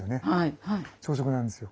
朝食なんですよ。